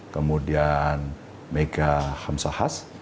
kemudian mega hamsahas